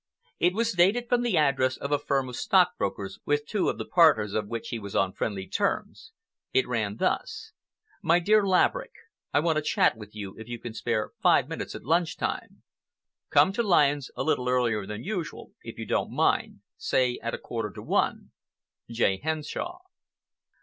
It was dated from the address of a firm of stockbrokers, with two of the partners of which he was on friendly terms. It ran thus: MY DEAR LAVERICK,—I want a chat with you, if you can spare five minutes at lunch time. Come to Lyons' a little earlier than usual, if you don't mind,—say at a quarter to one. J. HENSHAW.